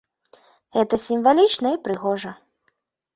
Гэта сімвалічна і прыгожа.